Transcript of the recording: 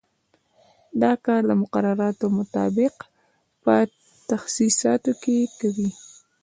دا کار د مقرراتو مطابق په تخصیصاتو کې کوي.